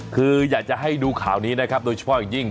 คืออยากจะให้ดูข่าวนี้นะครับโดยเฉพาะอย่างยิ่ง